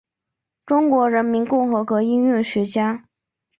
中华人民共和国音韵学家。